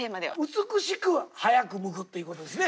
美しく早くむくっていうことですね。